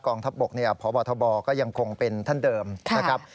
ทัพบกพบทบก็ยังคงเป็นท่านเดิมนะครับ